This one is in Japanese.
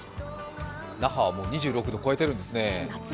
那覇はもう２６度を超えているんですね。